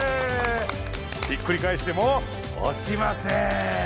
ひっくりかえしても落ちません。